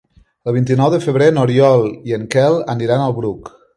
El vint-i-nou de febrer n'Oriol i en Quel aniran al Bruc.